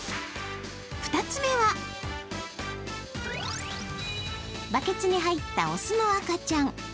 ２つ目は、バケツに入った雄の赤ちゃん。